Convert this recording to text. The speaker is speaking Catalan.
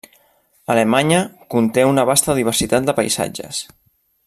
Alemanya conté una vasta diversitat de paisatges.